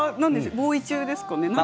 ボウイ中ですね。